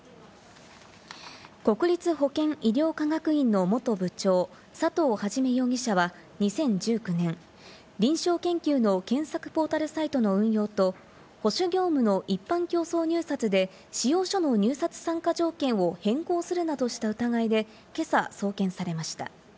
国立保健医療科学院の元部長、佐藤元容疑者は２０１９年、臨床研究の検索ポータルサイトの運用と保守業務の一般競争入札で、仕様書の入札参加条件を変更するなどした疑いで今朝、送検されました。